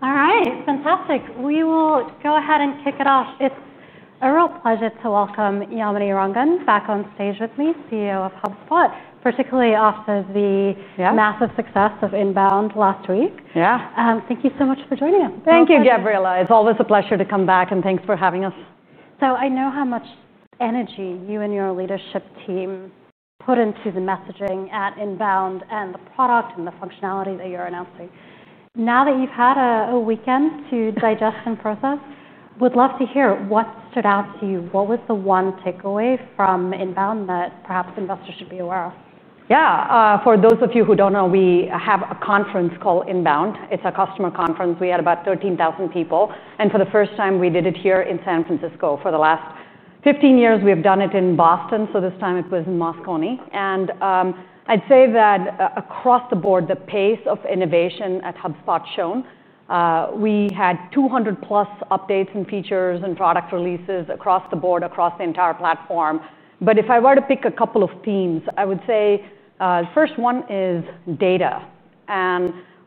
All right, fantastic. We will go ahead and kick it off. It's a real pleasure to welcome Yamini Rangan back on stage with me, CEO of HubSpot, particularly after the massive success of Inbound last week. Yeah. Thank you so much for joining us. Thank you, Gabriela. It's always a pleasure to come back, and thanks for having us. I know how much energy you and your leadership team put into the messaging at Inbound and the product and the functionality that you're announcing. Now that you've had a weekend to digest and process, we'd love to hear what stood out to you. What was the one takeaway from Inbound that perhaps investors should be aware of? Yeah, for those of you who don't know, we have a conference called Inbound. It's a customer conference. We had about 13,000 people. For the first time, we did it here in San Francisco. For the last 15 years, we have done it in Boston. This time it was in Moscone. I'd say that across the board, the pace of innovation at HubSpot shone. We had 200+ updates and features and product releases across the board, across the entire platform. If I were to pick a couple of themes, I would say the first one is data.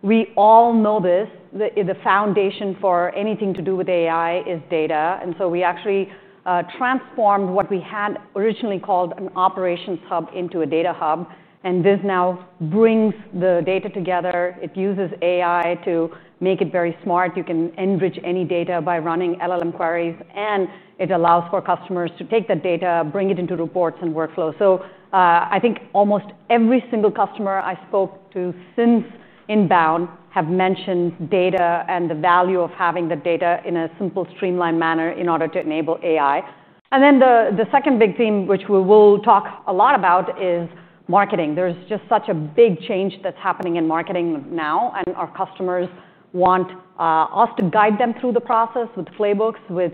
We all know this. The foundation for anything to do with AI is data. We actually transformed what we had originally called an Operations Hub into a Data Hub. This now brings the data together. It uses AI to make it very smart. You can enrich any data by running LLM queries. It allows for customers to take that data, bring it into reports and workflows. I think almost every single customer I spoke to since Inbound has mentioned data and the value of having the data in a simple, streamlined manner in order to enable AI. The second big theme, which we will talk a lot about, is marketing. There's just such a big change that's happening in marketing now. Our customers want us to guide them through the process with playbooks, with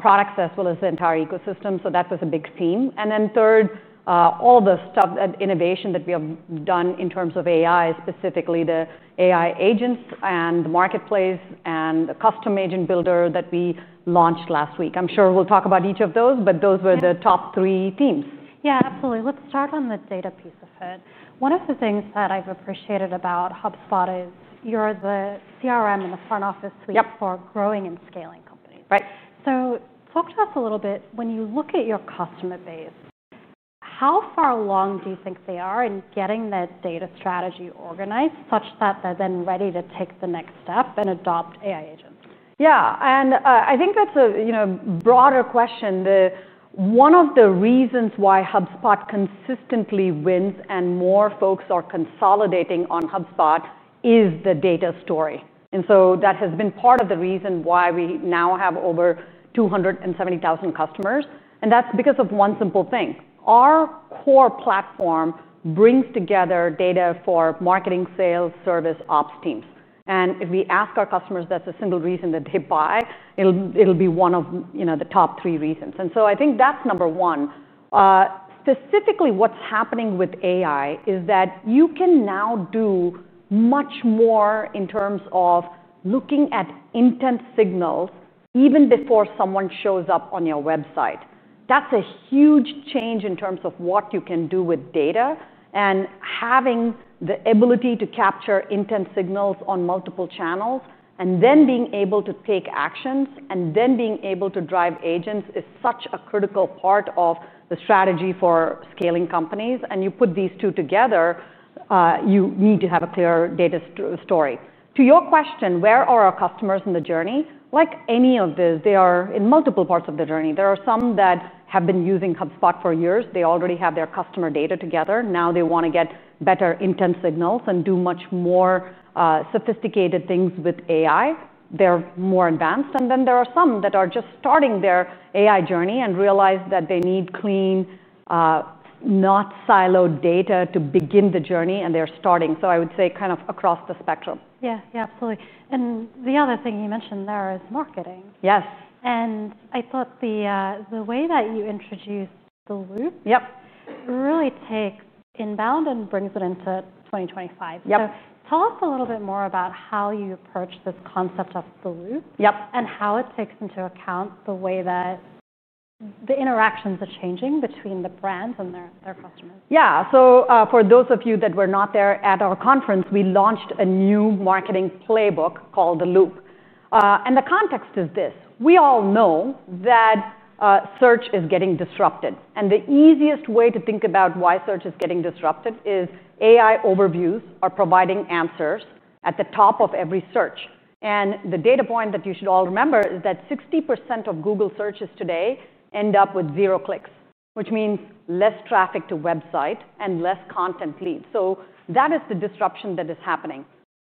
products, as well as the entire ecosystem. That was a big theme. Third, all the innovation that we have done in terms of AI, specifically the AI agents and the marketplace and the custom agent builder that we launched last week. I'm sure we'll talk about each of those, but those were the top three themes. Yeah, absolutely. Let's start on the data piece of it. One of the things that I've appreciated about HubSpot is you're the CRM and the front office suite for growing and scaling companies. Right. Talk to us a little bit. When you look at your customer base, how far along do you think they are in getting their data strategy organized such that they're then ready to take the next step and adopt AI agents? Yeah, I think that's a broader question. One of the reasons why HubSpot consistently wins and more folks are consolidating on HubSpot is the data story. That has been part of the reason why we now have over 270,000 customers, and that's because of one simple thing. Our core platform brings together data for marketing, sales, service, and ops teams. If we ask our customers, that's a single reason that they buy. It'll be one of the top three reasons. I think that's number one. Specifically, what's happening with AI is that you can now do much more in terms of looking at intent signals, even before someone shows up on your website. That's a huge change in terms of what you can do with data. Having the ability to capture intent signals on multiple channels and then being able to take actions and drive agents is such a critical part of the strategy for scaling companies. You put these two together, you need to have a clear data story. To your question, where are our customers in the journey? Like any of this, they are in multiple parts of the journey. There are some that have been using HubSpot for years. They already have their customer data together. Now they want to get better intent signals and do much more sophisticated things with AI. They're more advanced. There are some that are just starting their AI journey and realize that they need clean, not siloed data to begin the journey, and they're starting. I would say kind of across the spectrum. Yeah, absolutely. The other thing you mentioned there is marketing. Yes. I thought the way that you introduced The Loop really takes Inbound and brings it into 2025. Yep. Tell us a little bit more about how you approach this concept of The Loop and how it takes into account the way that the interactions are changing between the brand and their customers. Yeah, so for those of you that were not there at our conference, we launched a new marketing playbook called The Loop. The context is this. We all know that search is getting disrupted. The easiest way to think about why search is getting disrupted is AI overviews are providing answers at the top of every search. The data point that you should all remember is that 60% of Google searches today end up with zero clicks, which means less traffic to website and less content leads. That is the disruption that is happening.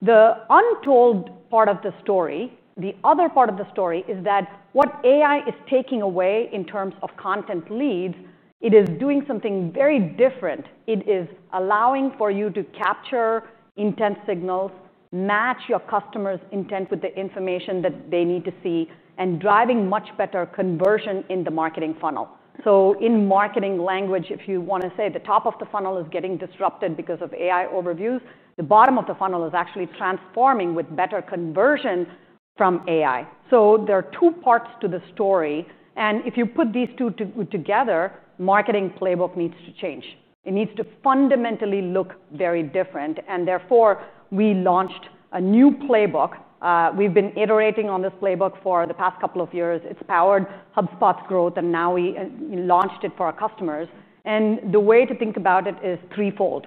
The untold part of the story, the other part of the story, is that what AI is taking away in terms of content leads, it is doing something very different. It is allowing for you to capture intent signals, match your customer's intent with the information that they need to see, and driving much better conversion in the marketing funnel. In marketing language, if you want to say the top of the funnel is getting disrupted because of AI overviews, the bottom of the funnel is actually transforming with better conversion from AI. There are two parts to the story. If you put these two together, the marketing playbook needs to change. It needs to fundamentally look very different. Therefore, we launched a new playbook. We've been iterating on this playbook for the past couple of years. It's powered HubSpot's growth, and now we launched it for our customers. The way to think about it is threefold.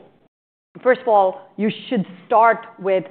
First of all, you should start with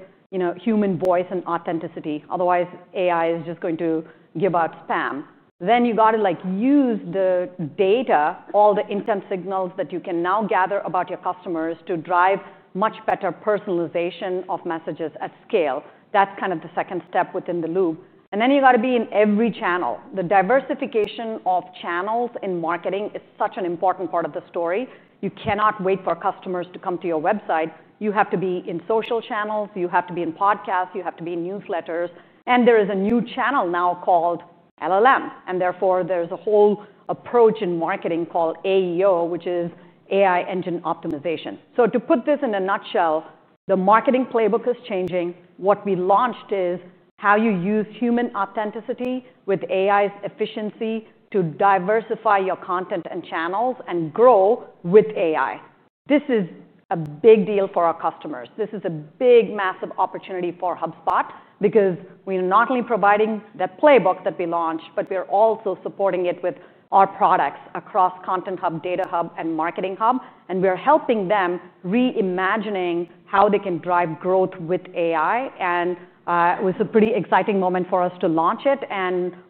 human voice and authenticity. Otherwise, AI is just going to give out spam. Then you got to use the data, all the intent signals that you can now gather about your customers to drive much better personalization of messages at scale. That's kind of the second step within The Loop. Then you got to be in every channel. The diversification of channels in marketing is such an important part of the story. You cannot wait for customers to come to your website. You have to be in social channels. You have to be in podcasts. You have to be in newsletters. There is a new channel now called LLM. Therefore, there's a whole approach in marketing called AEO, which is AI engine optimization. To put this in a nutshell, the marketing playbook is changing. What we launched is how you use human authenticity with AI's efficiency to diversify your content and channels and grow with AI. This is a big deal for our customers. This is a big massive opportunity for HubSpot because we are not only providing that playbook that we launched, but we are also supporting it with our products across Content Hub, Data Hub, and Marketing Hub. We are helping them reimagine how they can drive growth with AI. It was a pretty exciting moment for us to launch it.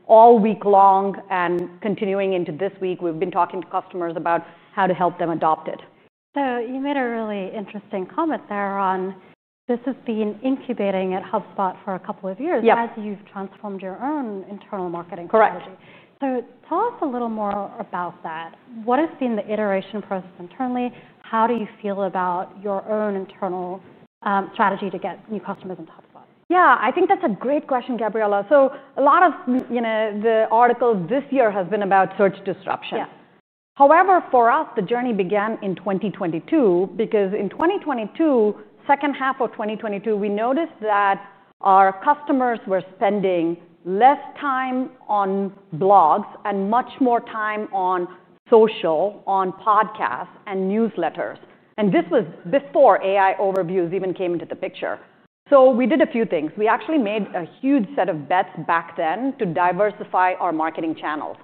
All week long and continuing into this week, we've been talking to customers about how to help them adopt it. You made a really interesting comment there on this has been incubating at HubSpot for a couple of years as you've transformed your own internal marketing strategy. Correct. Tell us a little more about that. What has been the iteration process internally? How do you feel about your own internal strategy to get new customers into HubSpot? Yeah, I think that's a great question, Gabriela. A lot of the articles this year have been about search disruption. Yeah. However, for us, the journey began in 2022 because in 2022, second half of 2022, we noticed that our customers were spending less time on blogs and much more time on social, on podcasts, and newsletters. This was before AI overviews even came into the picture. We did a few things. We actually made a huge set of bets back then to diversify our marketing channels.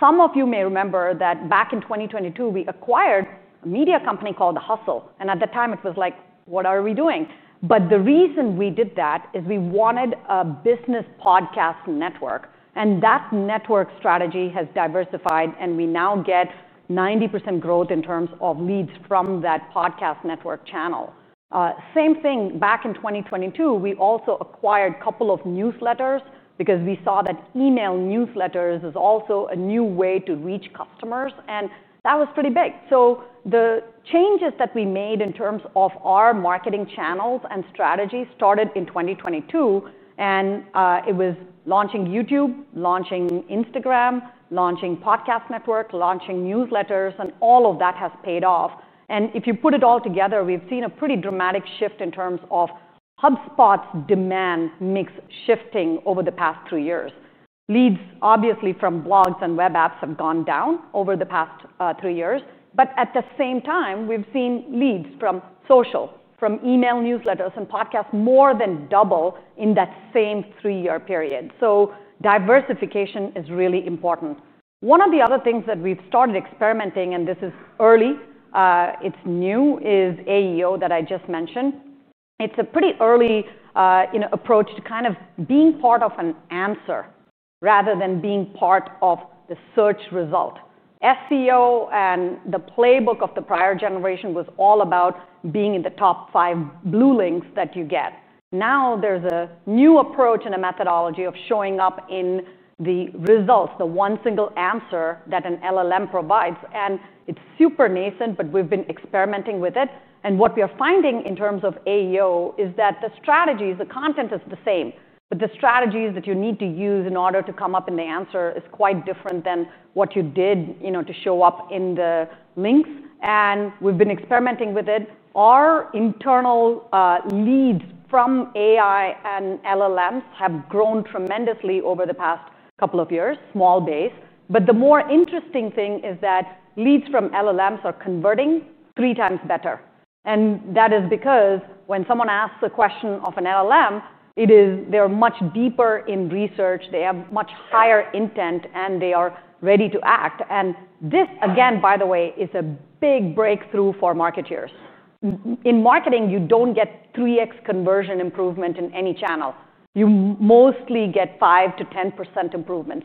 Some of you may remember that back in 2022, we acquired a media company called The Hustle. At the time, it was like, what are we doing? The reason we did that is we wanted a business podcast network. That network strategy has diversified. We now get 90% growth in terms of leads from that podcast network channel. Same thing back in 2022. We also acquired a couple of newsletters because we saw that email newsletters are also a new way to reach customers. That was pretty big. The changes that we made in terms of our marketing channels and strategy started in 2022. It was launching YouTube, launching Instagram, launching podcast network, launching newsletters, and all of that has paid off. If you put it all together, we've seen a pretty dramatic shift in terms of HubSpot's demand mix shifting over the past three years. Leads obviously from blogs and web apps have gone down over the past three years. At the same time, we've seen leads from social, from email newsletters, and podcasts more than double in that same three-year period. Diversification is really important. One of the other things that we've started experimenting, and this is early, it's new, is AEO that I just mentioned. It's a pretty early approach to kind of being part of an answer rather than being part of the search result. SEO and the playbook of the prior generation was all about being in the top five blue links that you get. Now there's a new approach and a methodology of showing up in the results, the one single answer that an LLM provides. It's super nascent, but we've been experimenting with it. What we are finding in terms of AEO is that the strategies, the content is the same, but the strategies that you need to use in order to come up in the answer are quite different than what you did to show up in the links. We've been experimenting with it. Our internal leads from AI and LLMs have grown tremendously over the past couple of years, small base. The more interesting thing is that leads from LLMs are converting three times better. That is because when someone asks a question of an LLM, they are much deeper in research, they have much higher intent, and they are ready to act. This, by the way, is a big breakthrough for marketers. In marketing, you don't get 3x conversion improvement in any channel. You mostly get 5% to 10% improvement.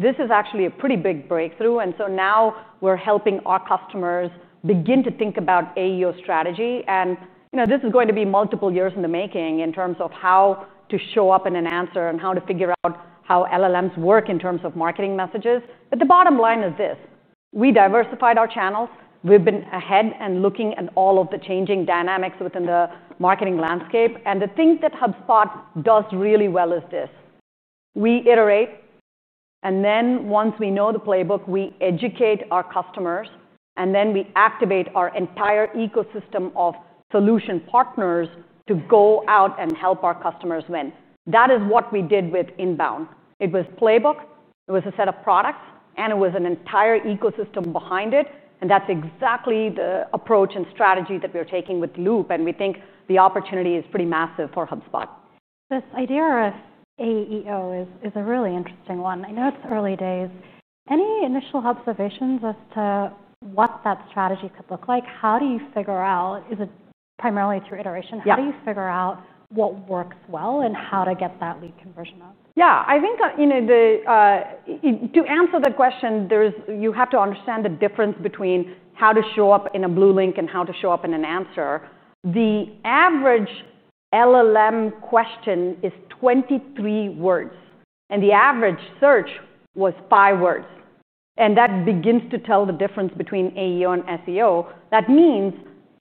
This is actually a pretty big breakthrough. Now we're helping our customers begin to think about AEO strategy. This is going to be multiple years in the making in terms of how to show up in an answer and how to figure out how LLMs work in terms of marketing messages. The bottom line is this. We diversified our channel. We've been ahead and looking at all of the changing dynamics within the marketing landscape. The thing that HubSpot does really well is this. We iterate. Once we know the playbook, we educate our customers. Then we activate our entire ecosystem of solution partners to go out and help our customers win. That is what we did with Inbound. It was a playbook. It was a set of products. It was an entire ecosystem behind it. That's exactly the approach and strategy that we are taking with Loop. We think the opportunity is pretty massive for HubSpot. This idea of AEO is a really interesting one. I know it's early days. Any initial observations as to what that strategy could look like? How do you figure out, is it primarily through iteration? Yeah. How do you figure out what works well, and how to get that lead conversion up? Yeah, I think to answer the question, you have to understand the difference between how to show up in a blue link and how to show up in an answer. The average LLM question is 23 words, and the average search was five words. That begins to tell the difference between AEO and SEO. That means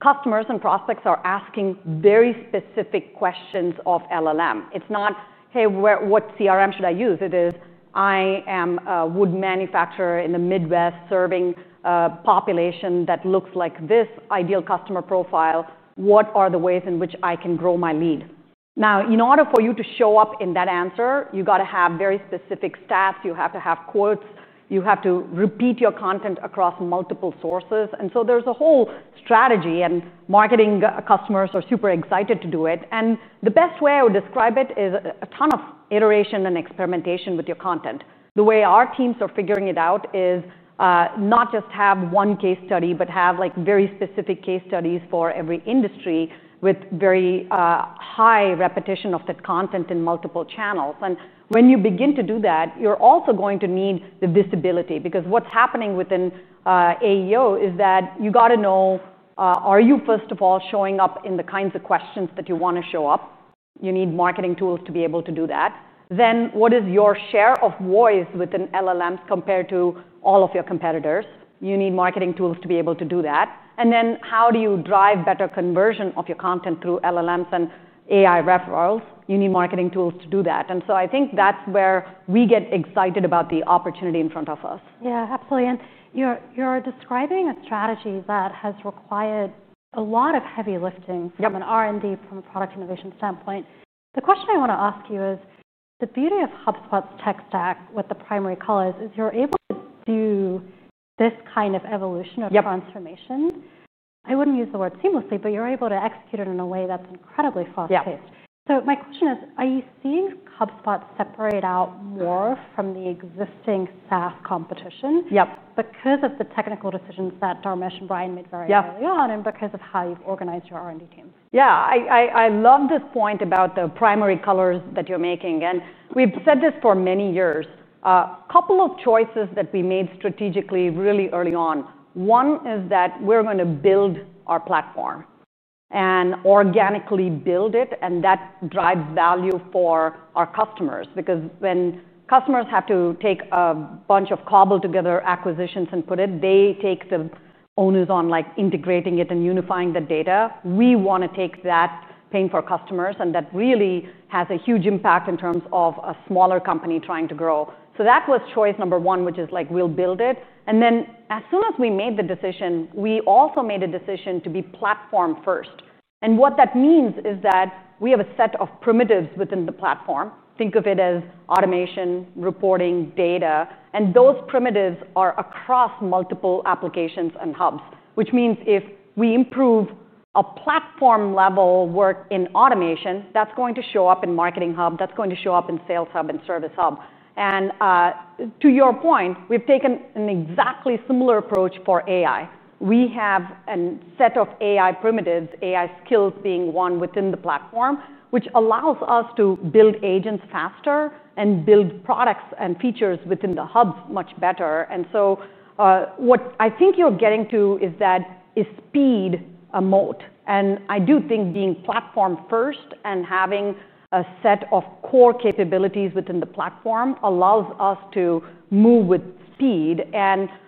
customers and prospects are asking very specific questions of LLM. It's not, hey, what CRM should I use? It is, I am a wood manufacturer in the Midwest serving a population that looks like this ideal customer profile. What are the ways in which I can grow my lead? In order for you to show up in that answer, you have to have very specific stats. You have to have quotes. You have to repeat your content across multiple sources. There's a whole strategy. Marketing customers are super excited to do it. The best way I would describe it is a ton of iteration and experimentation with your content. The way our teams are figuring it out is not just have one case study, but have very specific case studies for every industry with very high repetition of that content in multiple channels. When you begin to do that, you're also going to need the visibility because what's happening within AEO is that you have to know, are you, first of all, showing up in the kinds of questions that you want to show up? You need marketing tools to be able to do that. What is your share of voice within LLMs compared to all of your competitors? You need marketing tools to be able to do that. How do you drive better conversion of your content through LLMs and AI referrals? You need marketing tools to do that. I think that's where we get excited about the opportunity in front of us. Yeah, absolutely. You're describing a strategy that has required a lot of heavy lifting from an R&D, from a product innovation standpoint. The question I want to ask you is the beauty of HubSpot's tech stack with the primary colors is you're able to do this kind of evolution or transformation. Yep. I wouldn't use the word seamlessly, but you're able to execute it in a way that's incredibly fast-paced. Yeah. Are you seeing HubSpot separate out more from the existing SaaS competition? Yep. Because of the technical decisions that Dharmesh Shah and Brian Halligan made very early on, and because of how you've organized your R&D team. Yeah, I love this point about the primary colors that you're making. We've said this for many years. A couple of choices that we made strategically really early on. One is that we're going to build our platform and organically build it. That drives value for our customers because when customers have to take a bunch of cobble together acquisitions and put it, they take the onus on integrating it and unifying the data. We want to take that pain for customers. That really has a huge impact in terms of a smaller company trying to grow. That was choice number one, which is like we'll build it. As soon as we made the decision, we also made a decision to be platform-first. What that means is that we have a set of primitives within the platform. Think of it as automation, reporting, data. Those primitives are across multiple applications and hubs, which means if we improve a platform-level work in automation, that's going to show up in Marketing Hub. That's going to show up in Sales Hub and Service Hub. To your point, we've taken an exactly similar approach for AI. We have a set of AI primitives, AI skills being one within the platform, which allows us to build agents faster and build products and features within the hubs much better. What I think you're getting to is that speed a moat. I do think being platform-first and having a set of core capabilities within the platform allows us to move with speed.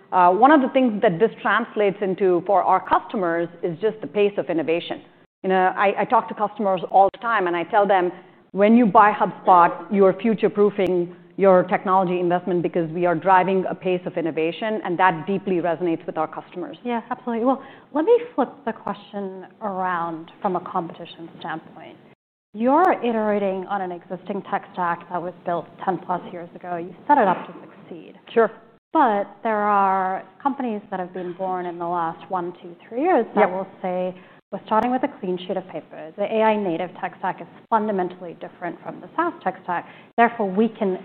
One of the things that this translates into for our customers is just the pace of innovation. I talk to customers all the time, and I tell them, when you buy HubSpot, you are future-proofing your technology investment because we are driving a pace of innovation. That deeply resonates with our customers. Absolutely. Let me flip the question around from a competition standpoint. You're iterating on an existing tech stack that was built 10+ years ago. You set it up to succeed. Sure. There are companies that have been born in the last one, two, three years that will say, we're starting with a clean sheet of paper. The AI-native tech stack is fundamentally different from the SaaS tech stack. Therefore, we can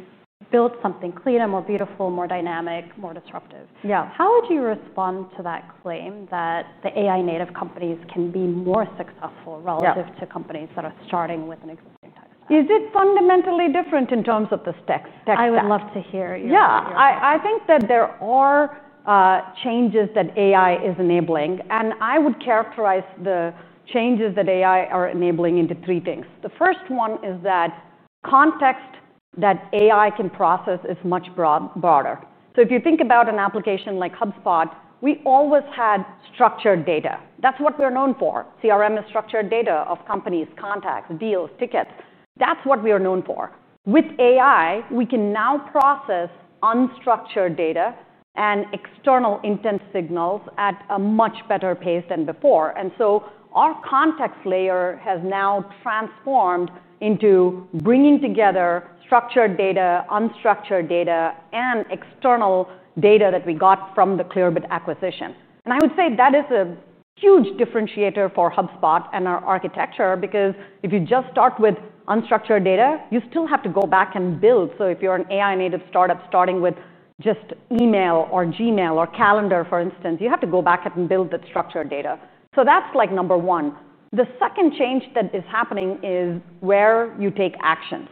build something cleaner, more beautiful, more dynamic, more disruptive. Yeah. How would you respond to that claim that the AI-native companies can be more successful relative to companies that are starting with an existing tech stack? Is it fundamentally different in terms of the stack? I would love to hear your answer. Yeah, I think that there are changes that AI is enabling. I would characterize the changes that AI is enabling into three things. The first one is that context that AI can process is much broader. If you think about an application like HubSpot, we always had structured data. That's what we're known for. CRM is structured data of companies, contacts, deals, tickets. That's what we are known for. With AI, we can now process unstructured data and external intent signals at a much better pace than before. Our context layer has now transformed into bringing together structured data, unstructured data, and external data that we got from the ClearBit acquisition. I would say that is a huge differentiator for HubSpot and our architecture because if you just start with unstructured data, you still have to go back and build. If you're an AI-native startup starting with just email or Gmail or Calendar, for instance, you have to go back and build that structured data. That's like number one. The second change that is happening is where you take actions.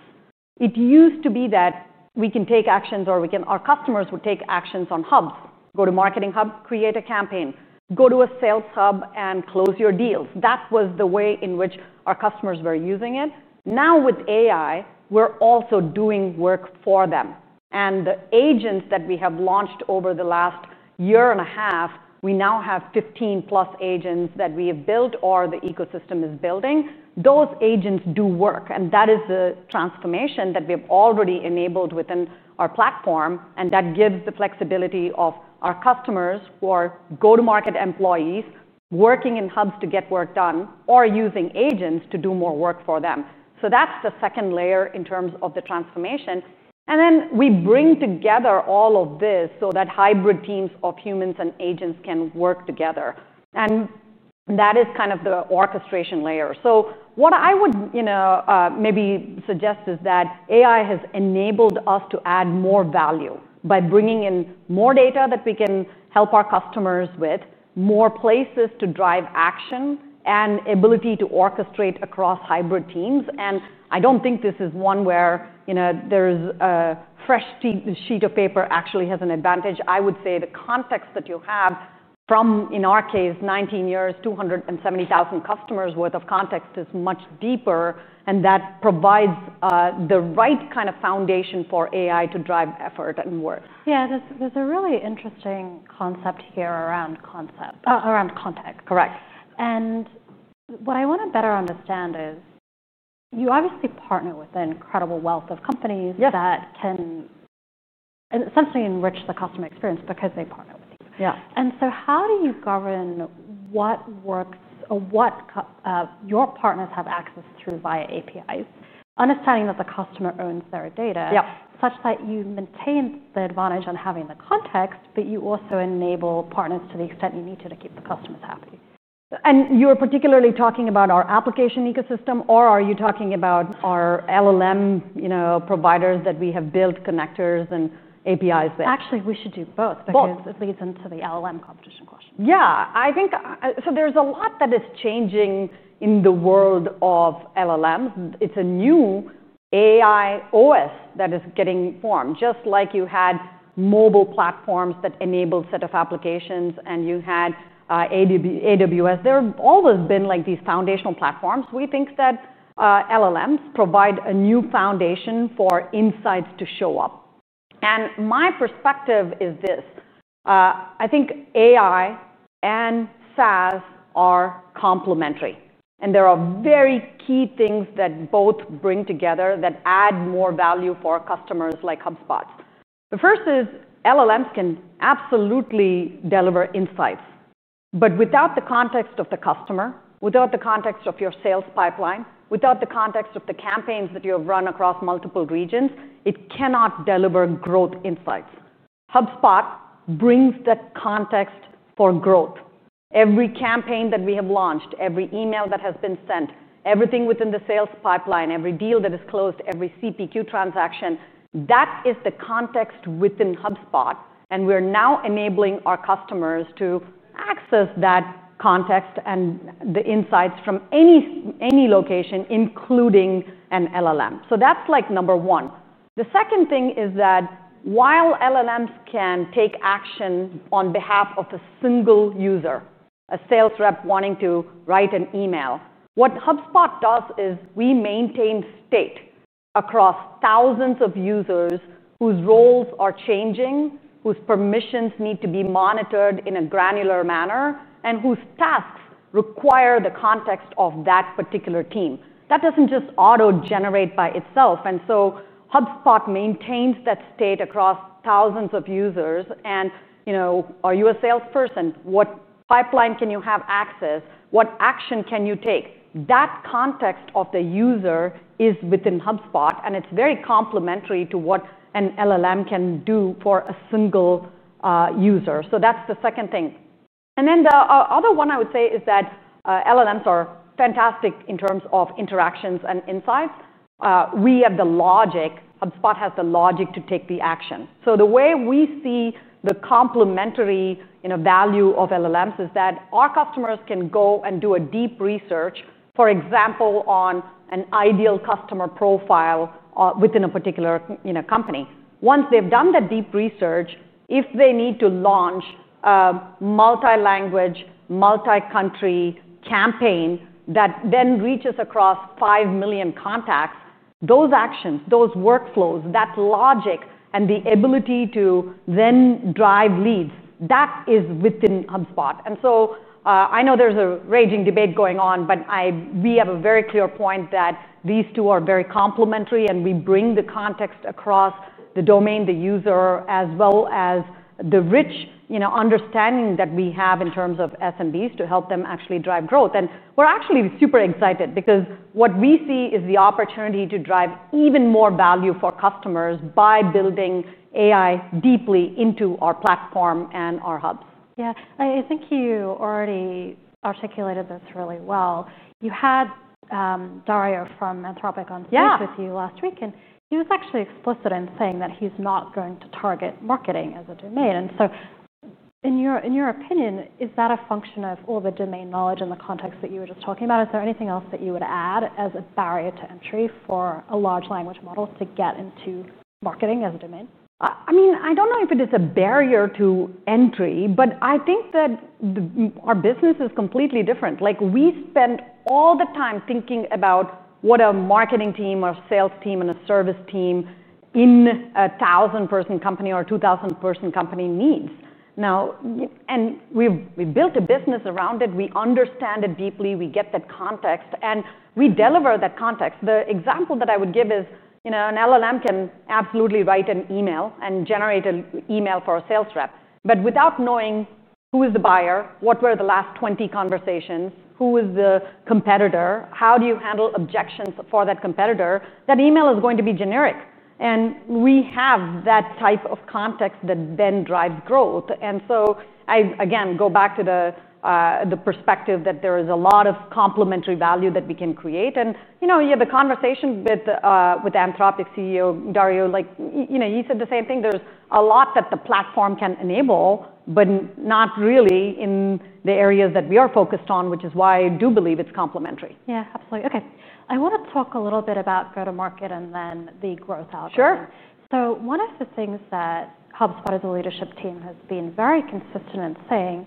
It used to be that we can take actions or our customers would take actions on hubs. Go to Marketing Hub, create a campaign. Go to a Sales Hub and close your deals. That was the way in which our customers were using it. Now with AI, we're also doing work for them. The agents that we have launched over the last year and a half, we now have 15+ agents that we have built or the ecosystem is building. Those agents do work. That is the transformation that we have already enabled within our platform. That gives the flexibility of our customers who are go-to-market employees working in hubs to get work done or using agents to do more work for them. That's the second layer in terms of the transformation. We bring together all of this so that hybrid teams of humans and agents can work together. That is kind of the orchestration layer. What I would maybe suggest is that AI has enabled us to add more value by bringing in more data that we can help our customers with, more places to drive action, and the ability to orchestrate across hybrid teams. I don't think this is one where there is a fresh sheet of paper actually has an advantage. I would say the context that you have from, in our case, 19 years, 270,000 customers' worth of context is much deeper. That provides the right kind of foundation for AI to drive effort and work. Yeah, there's a really interesting concept here around context. Correct. I want to better understand this. You obviously partner with an incredible wealth of companies that can essentially enrich the customer experience because they partner with you. Yeah. How do you govern what works or what your partners have access to via APIs, understanding that the customer owns their data such that you maintain the advantage on having the context, but you also enable partners to the extent you need to to keep the customers happy? Are you particularly talking about our application ecosystem, or are you talking about our LLM providers that we have built connectors and APIs with? Actually, we should do both. Both. It leads into the LLM competition question. Yeah, I think so there's a lot that is changing in the world of LLMs. It's a new AI OS that is getting formed. Just like you had mobile platforms that enabled a set of applications and you had AWS. There have always been like these foundational platforms. We think that LLMs provide a new foundation for insights to show up. My perspective is this. I think AI and SaaS are complementary. There are very key things that both bring together that add more value for customers like HubSpot. The first is LLMs can absolutely deliver insights, but without the context of the customer, without the context of your sales pipeline, without the context of the campaigns that you have run across multiple regions, it cannot deliver growth insights. HubSpot brings the context for growth. Every campaign that we have launched, every email that has been sent, everything within the sales pipeline, every deal that is closed, every CPQ transaction, that is the context within HubSpot. We're now enabling our customers to access that context and the insights from any location, including an LLM. That's like number one. The second thing is that while LLMs can take action on behalf of a single user, a sales rep wanting to write an email, what HubSpot does is we maintain state across thousands of users whose roles are changing, whose permissions need to be monitored in a granular manner, and whose tasks require the context of that particular team. That doesn't just auto-generate by itself. HubSpot maintains that state across thousands of users. Are you a salesperson? What pipeline can you have access? What action can you take? That context of the user is within HubSpot. It's very complementary to what an LLM can do for a single user. That's the second thing. The other one I would say is that LLMs are fantastic in terms of interactions and insights. We have the logic. HubSpot has the logic to take the action. The way we see the complementary value of LLMs is that our customers can go and do a deep research, for example, on an ideal customer profile within a particular company. Once they've done that deep research, if they need to launch a multi-language, multi-country campaign that then reaches across 5 million contacts, those actions, those workflows, that logic, and the ability to then drive leads, that is within HubSpot. I know there's a raging debate going on, but we have a very clear point that these two are very complementary. We bring the context across the domain, the user, as well as the rich understanding that we have in terms of SMBs to help them actually drive growth. We're actually super excited because what we see is the opportunity to drive even more value for customers by building AI deeply into our platform and our hubs. Yeah, I think you already articulated this really well. You had Dario Amodei from Anthropic on stage with you last week. He was actually explicit in saying that he's not going to target marketing as a domain. In your opinion, is that a function of all the domain knowledge and the context that you were just talking about? Is there anything else that you would add as a barrier to entry for a large language model to get into marketing as a domain? I mean, I don't know if it is a barrier to entry, but I think that our business is completely different. We spend all the time thinking about what a marketing team or sales team and a service team in a 1,000-person company or 2,000-person company needs. Now, we've built a business around it. We understand it deeply. We get that context, and we deliver that context. The example that I would give is an LLM can absolutely write an email and generate an email for a sales rep. Without knowing who is the buyer, what were the last 20 conversations, who is the competitor, how do you handle objections for that competitor, that email is going to be generic. We have that type of context that then drives growth. I, again, go back to the perspective that there is a lot of complementary value that we can create. You know, the conversation with Anthropic CEO Dario, like he said the same thing. There's a lot that the platform can enable, but not really in the areas that we are focused on, which is why I do believe it's complementary. Yeah, absolutely. OK, I want to talk a little bit about go-to-market and then the growth outcome. Sure. One of the things that HubSpot as a leadership team has been very consistent in saying,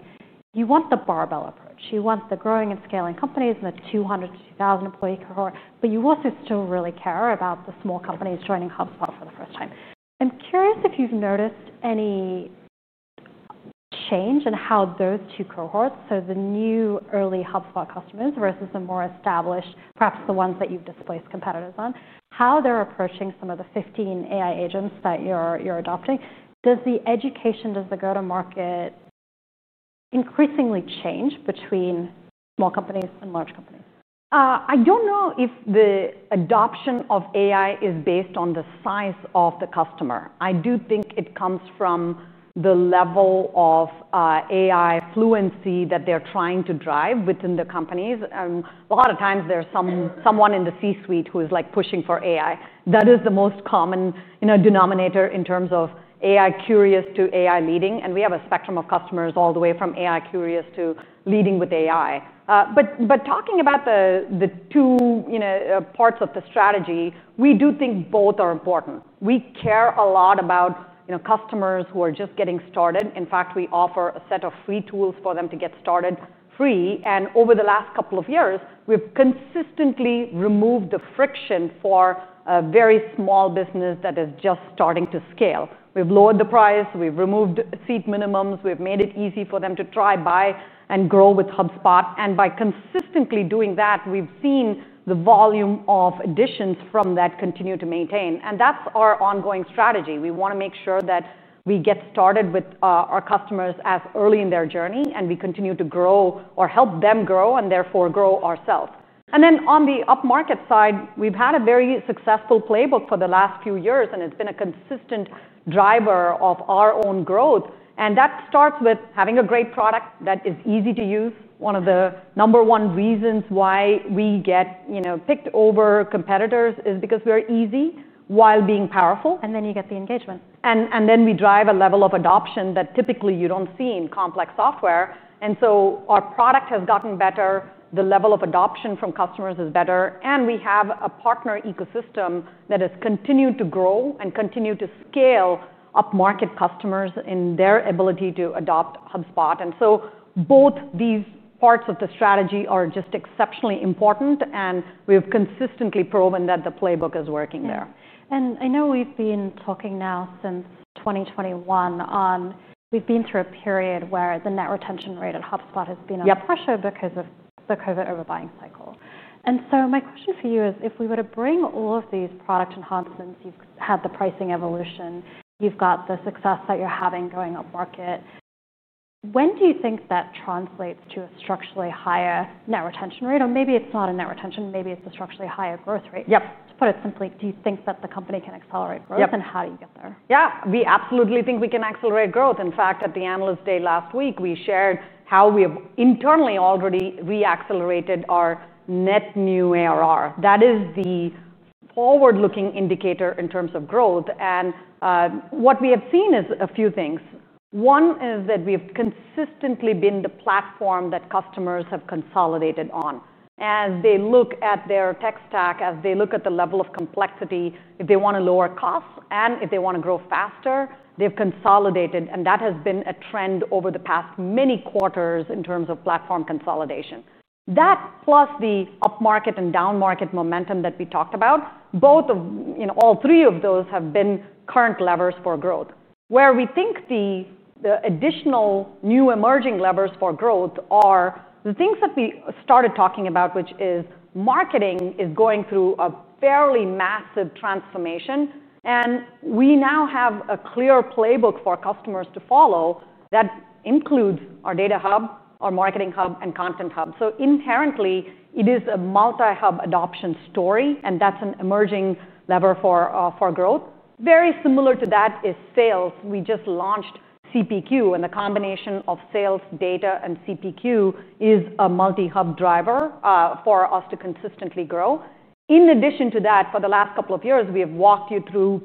you want the barbell approach. You want the growing and scaling companies in the 200 to 2,000 employee cohort. You also still really care about the small companies joining HubSpot for the first time. I'm curious if you've noticed any change in how those two cohorts, the new early HubSpot customers versus the more established, perhaps the ones that you've displaced competitors on, how they're approaching some of the 15 AI agents that you're adopting. Does the education, does the go-to-market increasingly change between small companies and large companies? I don't know if the adoption of AI is based on the size of the customer. I do think it comes from the level of AI fluency that they're trying to drive within the companies. A lot of times, there's someone in the C-suite who is pushing for AI. That is the most common denominator in terms of AI curious to AI leading. We have a spectrum of customers all the way from AI curious to leading with AI. Talking about the two parts of the strategy, we do think both are important. We care a lot about customers who are just getting started. In fact, we offer a set of free tools for them to get started free. Over the last couple of years, we've consistently removed the friction for a very small business that is just starting to scale. We've lowered the price, removed seat minimums, and made it easy for them to try, buy, and grow with HubSpot. By consistently doing that, we've seen the volume of additions from that continue to maintain. That's our ongoing strategy. We want to make sure that we get started with our customers as early in their journey as possible. We continue to grow or help them grow and therefore grow ourselves. On the upmarket side, we've had a very successful playbook for the last few years, and it's been a consistent driver of our own growth. That starts with having a great product that is easy to use. One of the number one reasons why we get picked over competitors is because we're easy while being powerful. You get the engagement. We drive a level of adoption that typically you don't see in complex software. Our product has gotten better, the level of adoption from customers is better, and we have a partner ecosystem that has continued to grow and continued to scale upmarket customers in their ability to adopt HubSpot. Both these parts of the strategy are just exceptionally important, and we've consistently proven that the playbook is working there. I know we've been talking now since 2021. We've been through a period where the net retention rate at HubSpot has been under pressure because of the COVID overbuying cycle. My question for you is, if we were to bring all of these product enhancements, you've had the pricing evolution, you've got the success that you're having going upmarket, when do you think that translates to a structurally higher net retention rate? Maybe it's not a net retention. Maybe it's a structurally higher growth rate. Yep. To put it simply, do you think that the company can accelerate growth? Yep. How do you get there? Yeah, we absolutely think we can accelerate growth. In fact, at the analyst day last week, we shared how we have internally already re-accelerated our net new ARR. That is the forward-looking indicator in terms of growth. What we have seen is a few things. One is that we have consistently been the platform that customers have consolidated on. As they look at their tech stack, as they look at the level of complexity, if they want to lower costs and if they want to grow faster, they've consolidated. That has been a trend over the past many quarters in terms of platform consolidation. That plus the upmarket and downmarket momentum that we talked about, all three of those have been current levers for growth. Where we think the additional new emerging levers for growth are the things that we started talking about, which is marketing is going through a fairly massive transformation. We now have a clear playbook for customers to follow that includes our Data Hub, our Marketing Hub, and Content Hub. Inherently, it is a multi-hub adoption story, and that's an emerging lever for growth. Very similar to that is sales. We just launched CPQ, and the combination of sales, data, and CPQ is a multi-hub driver for us to consistently grow. In addition to that, for the last couple of years, we have walked you through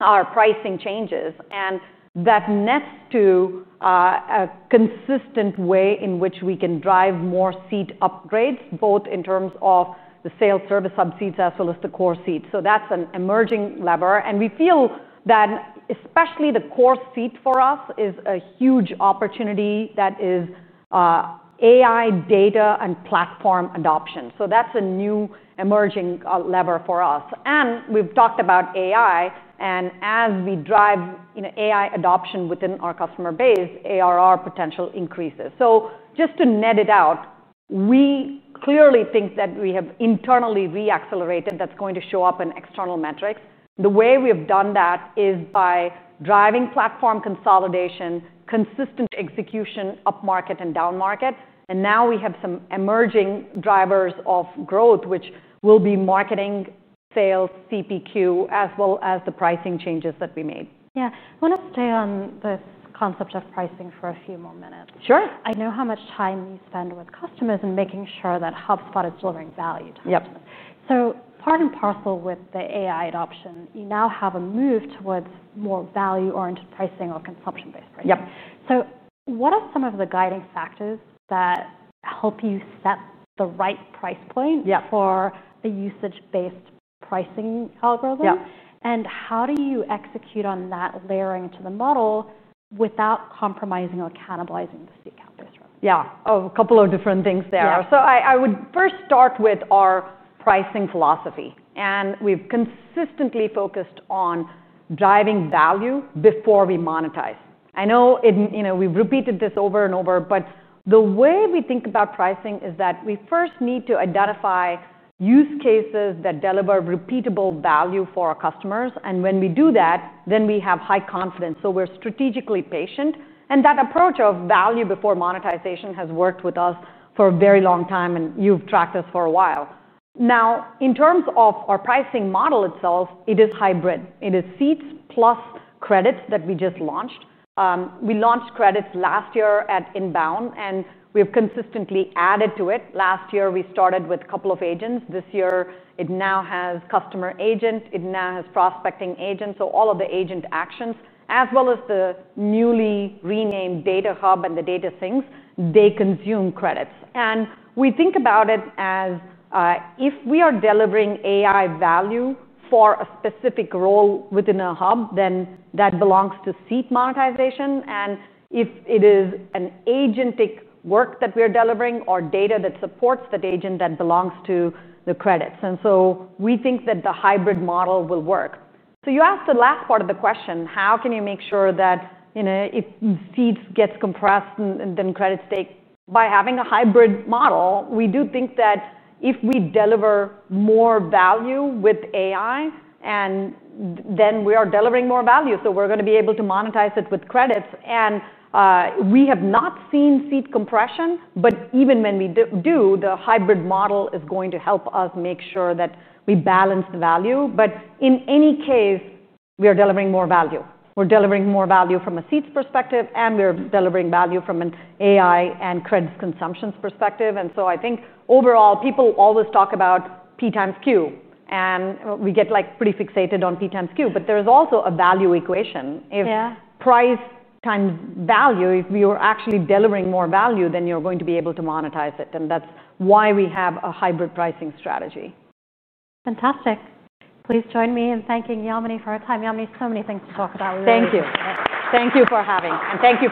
our pricing changes, and that nets to a consistent way in which we can drive more seat upgrades, both in terms of the sales service subseats as well as the core seats. That's an emerging lever, and we feel that especially the core seat for us is a huge opportunity that is AI, data, and platform adoption. That's a new emerging lever for us. We've talked about AI, and as we drive AI adoption within our customer base, ARR potential increases. Just to net it out, we clearly think that we have internally re-accelerated that's going to show up in external metrics. The way we have done that is by driving platform consolidation, consistent execution, upmarket, and downmarket. Now we have some emerging drivers of growth, which will be marketing, sales, CPQ, as well as the pricing changes that we made. Yeah, I want to stay on the concept of pricing for a few more minutes. Sure. I know how much time you spend with customers and making sure that HubSpot is delivering value. Yep. Part and parcel with the AI adoption, you now have a move towards more value-oriented pricing or consumption-based pricing. Yep. What are some of the guiding factors that help you set the right price point for a usage-based pricing algorithm? Yep. How do you execute on that layering to the model without compromising or cannibalizing the seat count based rule? Yeah, a couple of different things there. Yeah. I would first start with our pricing philosophy. We've consistently focused on driving value before we monetize. I know we've repeated this over and over, but the way we think about pricing is that we first need to identify use cases that deliver repeatable value for our customers. When we do that, then we have high confidence. We're strategically patient, and that approach of value before monetization has worked with us for a very long time. You've tracked us for a while. In terms of our pricing model itself, it is hybrid. It is seats plus credits that we just launched. We launched credits last year at Inbound, and we've consistently added to it. Last year, we started with a couple of agents. This year, it now has customer agents and prospecting agents. All of the agent actions, as well as the newly renamed Data Hub and the data syncs, consume credits. We think about it as if we are delivering AI value for a specific role within a hub, then that belongs to seat monetization. If it is an agentic work that we are delivering or data that supports that agent, that belongs to the credits. We think that the hybrid model will work. You asked the last part of the question, how can you make sure that if seats get compressed and then credits take? By having a hybrid model, we do think that if we deliver more value with AI, then we are delivering more value. We're going to be able to monetize it with credits. We have not seen seat compression, but even when we do, the hybrid model is going to help us make sure that we balance the value. In any case, we are delivering more value. We're delivering more value from a seats perspective, and we're delivering value from an AI and credits consumption perspective. I think overall, people always talk about P times Q, and we get pretty fixated on P times Q, but there is also a value equation. Yeah. If price times value, if you are actually delivering more value, then you're going to be able to monetize it. That is why we have a hybrid pricing strategy. Fantastic. Please join me in thanking Yamini for her time. Yamini, so many things to talk about. Thank you for having me. Thank you.